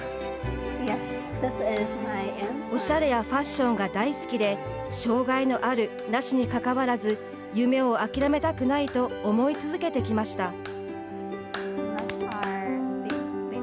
おしゃれやファッションが大好きで障害のある、なしにかかわらず夢をあきらめたくないと思い続けてきました。